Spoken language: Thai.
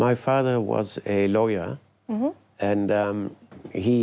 อยากให้ลูกชาวช่วยลูกชาว